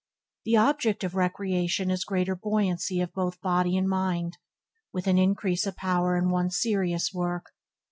The object of recreation is greater buoyancy of both body and mind, with an increase of power in one's serious work.